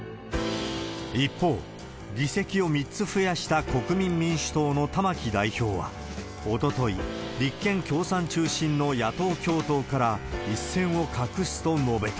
一方、議席を３つ増やした国民民主党の玉木代表はおととい、立憲、共産中心の野党共闘から一線を画すと述べた。